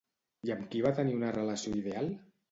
I amb qui va tenir una relació ideal?